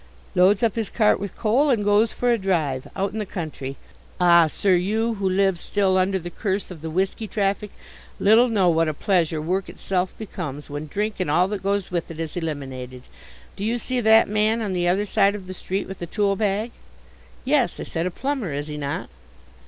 "Loads up his cart with coal and goes for a drive out in the country. Ah, sir, you who live still under the curse of the whisky traffic little know what a pleasure work itself becomes when drink and all that goes with it is eliminated. Do you see that man, on the other side of the street, with the tool bag?" "Yes," I said, "a plumber, is he not?"